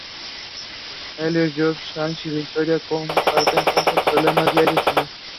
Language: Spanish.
Elliot, Josh, Janice y Victoria, comparten juntos, problemas diarios... y más.